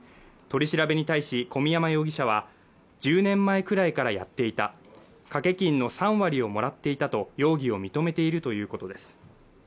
取り調べに対し小宮山容疑者は１０年前くらいからやっていた掛け金の３割を貰っていたと容疑を認めているということです